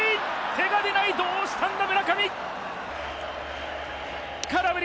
手が出ないどうしたんだ？